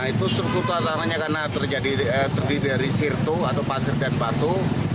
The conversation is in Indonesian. nah itu struktur tanahnya karena terjadi terdiri dari sirtu atau pasir dan batu